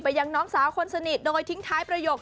ยังน้องสาวคนสนิทโดยทิ้งท้ายประโยค